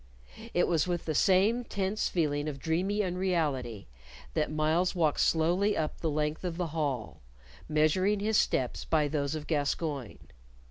It was with the same tense feeling of dreamy unreality that Myles walked slowly up the length of the hall, measuring his steps by those of Gascoyne.